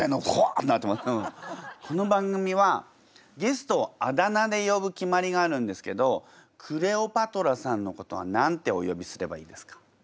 この番組はゲストをあだ名で呼ぶ決まりがあるんですけどクレオパトラさんのことは何てお呼びすればいいですか？